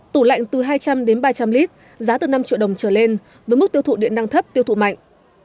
tủ lạnh từ hai trăm linh đến ba trăm linh lít giá từ năm triệu đồng trở lên với mức tiêu thụ điện năng thấp tiêu thụ mạnh